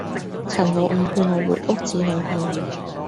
陳老五勸我回屋子裏去。